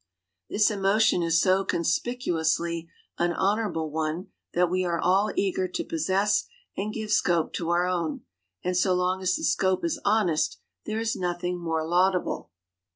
This emotion is so conspicuously an honourable one that we are all eager to possess and give scope to our own, and so long as the scope is honest there is nothing more laudable.